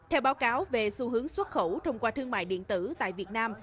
theo báo cáo về xu hướng xuất khẩu thông qua thương mại điện tử tại việt nam